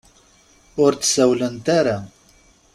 Ur d-sawlent ara.